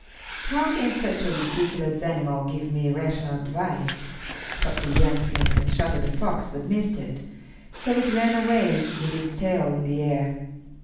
"How can such a ridiculous animal give me rational advice?" thought the young Prince, and shot at the fox, but missed it, so it ran away with its tail in the air.